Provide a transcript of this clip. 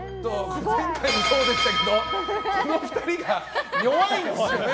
前回もそうでしたけどこの２人が弱いんですね。